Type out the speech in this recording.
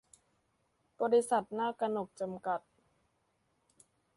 บริษัท นากกนก จำกัด